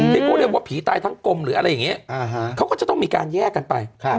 ที่เขาเรียกว่าผีตายทั้งกลมหรืออะไรอย่างนี้เขาก็จะต้องมีการแยกกันไป